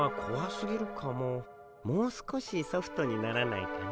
もう少しソフトにならないかな。